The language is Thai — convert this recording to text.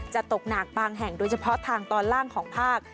จะตกหนักบางแห่งโดยเฉพาะทางตอนล่างของภาค